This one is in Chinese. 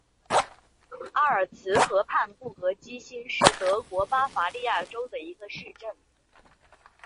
阿尔茨河畔布格基兴是德国巴伐利亚州的一个市镇。